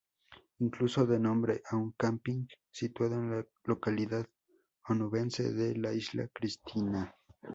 Incluso da nombre a un camping situado en la localidad onubense de Isla Cristina.